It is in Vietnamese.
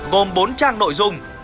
gồm bốn trang nội dung